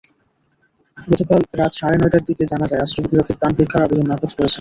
গতকাল রাত সাড়ে নয়টার দিকে জানা যায়, রাষ্ট্রপতি তাঁদের প্রাণভিক্ষার আবেদন নাকচ করেছেন।